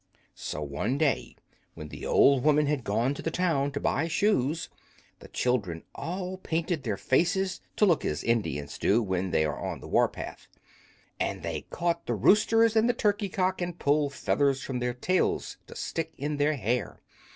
So one day, when the old woman had gone to the town to buy shoes, the children all painted their faces, to look as Indians do when they are on the war path; and they caught the roosters and the turkey cock and pulled feathers from their tails to stick in their hair.